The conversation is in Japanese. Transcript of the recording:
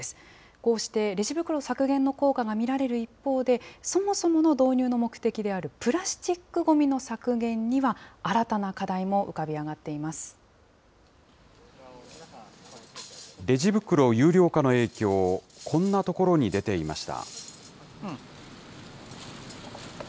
こうしてレジ袋削減の効果が見られる一方で、そもそもの導入の目的であるプラスチックごみの削減には新たな課レジ袋有料化の影響、こんな所に出ていました。